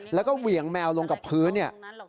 แล้วก็เหวี่ยงแมวลงกับพื้นเนี่ย